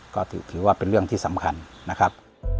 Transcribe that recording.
ก็ถือว่าเป็นเรื่องที่สำคัญนะครับ